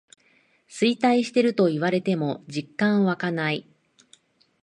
衰退してると言われても実感わかない